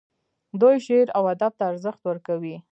دوی شعر او ادب ته ارزښت ورکوي.